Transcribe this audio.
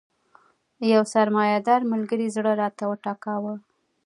یو سرمایه دار ملګري زړه راته وټکاوه.